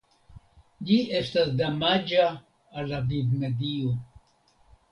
Ĝi estas damaĝa al la vivmedio.